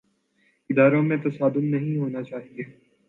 اداروں میں تصادم نہیں ہونا چاہیے۔